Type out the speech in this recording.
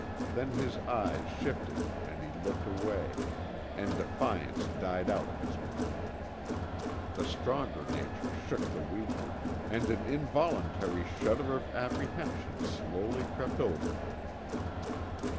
Then his eyes shifted and he looked away, and defiance died out of his mind. The stronger nature shook the weaker, and an involuntary shudder of apprehension slowly crept over him.